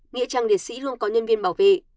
nghĩa trang liệt sĩ luôn có nhân viên bảo vệ